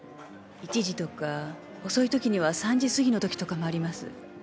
１時とか遅い時には３時すぎの時とかもあります。